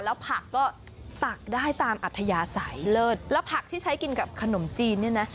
แล้วผักก็ตักได้ตามอัธยาศัยเลิศแล้วผักที่ใช้กินกับขนมจีนเนี่ยนะ